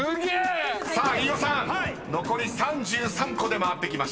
［さあ飯尾さん残り３３個で回ってきました］